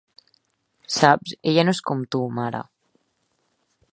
Saps? Ella no és com tu, mare.